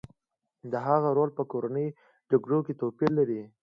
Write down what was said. د هغه رول په کورنیو جګړو کې توپیر لري